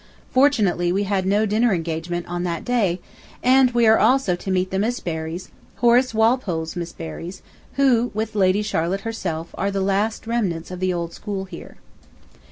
Fortunately we had no dinner engagement on that day, and we are to meet also the Miss Berrys; Horace Walpole's Miss Berrys, who with Lady Charlotte herself, are the last remnants of the old school here.